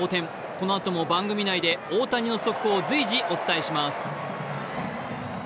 このあとも番組内で大谷の速報を随時お伝えします。